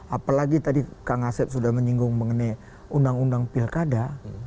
apalagi tadi kang asep sudah menyinggung mengenai undang undang pilkada